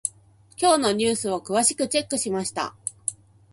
今日のニュースを詳しくチェックしました。